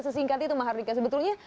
sesingkat itu mahardika sebetulnya